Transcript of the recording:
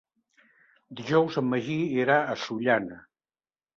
Dijous en Magí irà a Sollana.